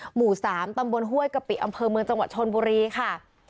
หมู่๓ตำบลห้วยกะปิอำเภอเมืองจังหวัดชนบุรีค่ะ